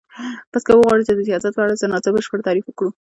پس که وغواړو چی د سیاست په اړه څه نا څه بشپړ تعریف وکړو